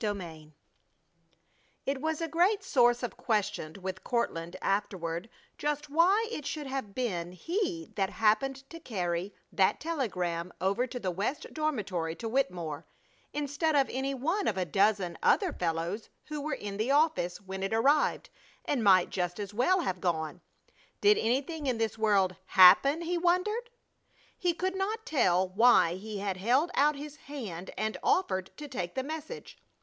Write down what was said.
CHAPTER V It was a great source of question with Courtland afterward, just why it should have been he that happened to carry that telegram over to the West Dormitory to Wittemore, instead of any one of a dozen other fellows who were in the office when it arrived and might just as well have gone. Did anything in this world happen, he wondered? He could not tell why he had held out his hand and offered to take the message.